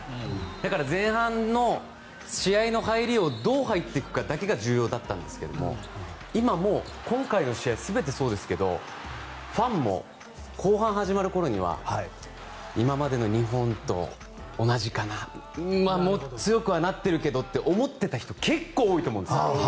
だから、前半の試合の入りをどう入っていくかだけが重要だったんですが今はもう今回の試合全てそうですけどファンも後半が始まる頃には今までの日本と同じかな強くはなってるけどと思ってた人結構多いと思うんですよ。